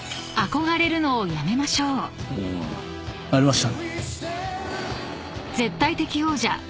うん。ありました。